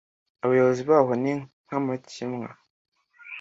Abayobozi baho ni ntamakemwa.